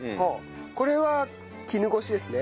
これは絹ごしですね？